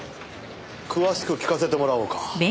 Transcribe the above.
詳しく聞かせてもらおうか。